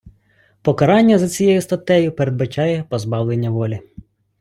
Покарання за цією статтею передбачає позбавлення волі.